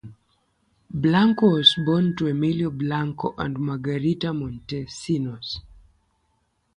Blanco was born to Emilio Blanco and Margarita Montesinos.